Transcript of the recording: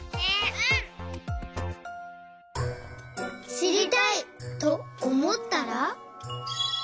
「しりたい！」とおもったら。